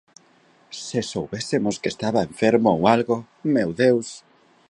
Se soubésemos que estaba enfermo ou algo, meu Deus!